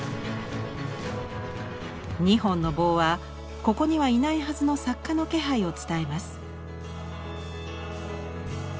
２本の棒はここにはいないはずの作家の気配を伝えます。